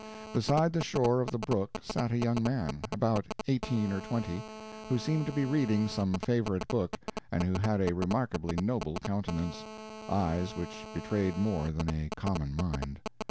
Beside the shore of the brook sat a young man, about eighteen or twenty, who seemed to be reading some favorite book, and who had a remarkably noble countenance eyes which betrayed more than a common mind.